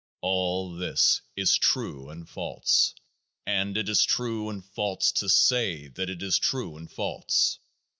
All this is true and false ; and it is true and false to say that it is true and false.